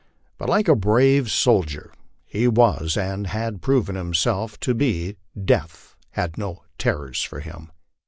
But like a brave soldier, as he was and had proven himself to be, death had no terrors for him.